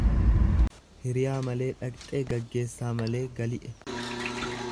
Hiriyaa malee dhaqxe gaggeessaa malee galie.